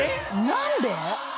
何で？